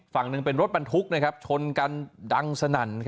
ฝั่งหนึ่งเป็นรถบรรทุกชนกันดังสนั่น